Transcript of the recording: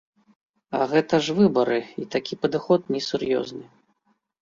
А гэта ж выбары, і такі падыход несур'ёзны.